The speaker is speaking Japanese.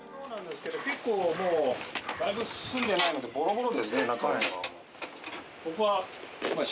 結構もうだいぶ住んでないのでボロボロですね中。